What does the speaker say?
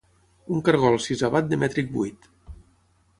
Un cargol sisavat de mètric vuit